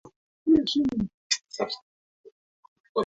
makabila ya kifugaji kwenye vita yamekuwa juu kulinganisha na wakulima